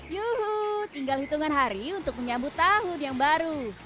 yuhuuu tinggal hitungan hari untuk menyambut tahun yang baru